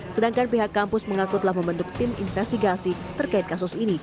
sedangkan pihak kampus mengaku telah membentuk tim investigasi terkait kasus ini